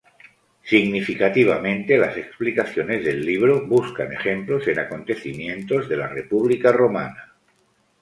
Significativamente, las explicaciones del libro buscan ejemplos en acontecimientos de la República romana.